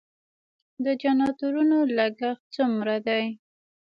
د جنراتورونو لګښت څومره دی؟